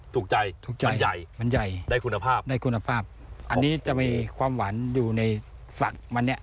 ถูกใจมันใหญ่ได้คุณภาพอันนี้จะมีความหวานอยู่ในฝั่งมัน